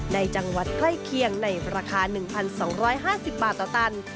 ในจังหวัดใกล้เคียงในราคา๑๒๕๐บาทต่อตัน